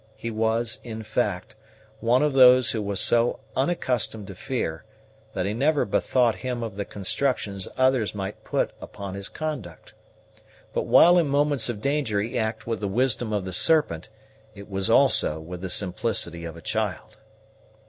He was, in fact, one of those who was so unaccustomed to fear, that he never bethought him of the constructions others might put upon his conduct. But while in moments of danger he acted with the wisdom of the serpent, it was also with the simplicity of a child.